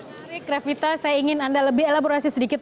menarik revita saya ingin anda lebih elaborasi sedikit